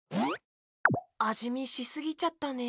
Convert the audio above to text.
あじみしすぎちゃったね。